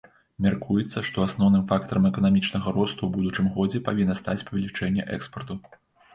Мяркуецца, што асноўным фактарам эканамічнага росту ў будучым годзе павінна стаць павелічэнне экспарту.